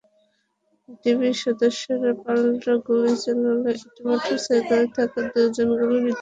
ডিবির সদস্যরা পাল্টা গুলি চালালে একটি মোটরসাইকেলে থাকা দুজন গুলিবিদ্ধ হয়।